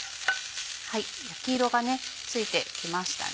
焼き色がついてきましたね。